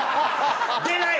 出ないわ！